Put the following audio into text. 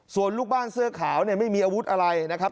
ส่วนลูกบ้านเสื้อขาวเนี่ยไม่มีอาวุธอะไรนะครับ